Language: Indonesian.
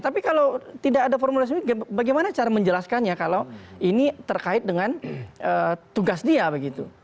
tapi kalau tidak ada formulasi bagaimana cara menjelaskannya kalau ini terkait dengan tugas dia begitu